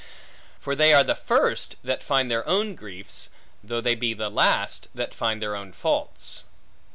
For they are the first, that find their own griefs, though they be the last, that find their own faults.